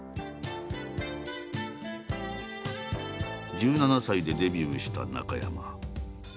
１７歳でデビューした中山。